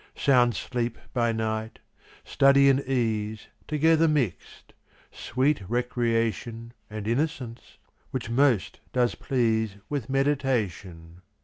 Sound sleep by night; study and ease Together mixed; sweet recreation, And innocence, which most does please With meditation.